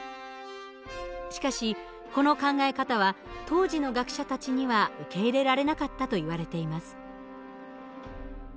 しかしこの考え方は当時の学者たちには受け入れられなかったといわれています。